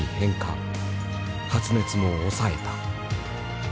発熱も抑えた。